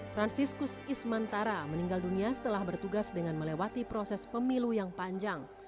franciscus ismantara meninggal dunia setelah bertugas dengan melewati proses pemilu yang panjang